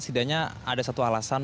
setidaknya ada satu alasan